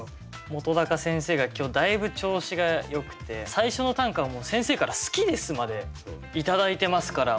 本先生が今日だいぶ調子がよくて最初の短歌はもう先生から「好きです」まで頂いてますから。